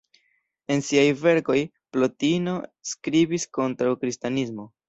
En siaj verkoj, Plotino skribis kontraŭ kristanismo.